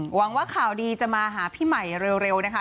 หวังว่าข่าวดีจะมาหาพี่ใหม่เร็วนะคะ